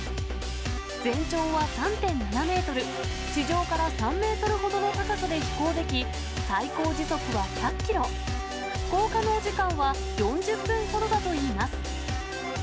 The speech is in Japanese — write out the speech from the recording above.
全長は３．７メートル、地上から３メートルほどの高さで飛行でき、最高時速は１００キロ、飛行可能時間は４０分ほどだといいます。